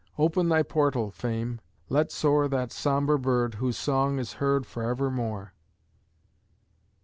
Open thy portal, Fame! Let soar That sombre bird, whose song is heard forevermore.